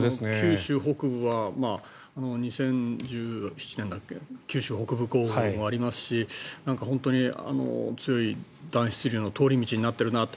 九州北部は２０１７年だっけ九州北部豪雨もありますし本当に、強い暖湿流の通り道になっているなと。